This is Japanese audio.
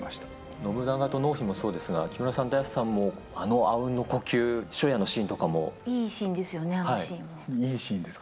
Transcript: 信長と濃姫もそうですが、木村さんと綾瀬さんも、あのあうんの呼吸、初夜のシーンとかも。いいシーンですよね、あのシいいシーンですか？